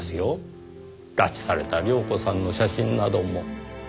拉致された亮子さんの写真なども。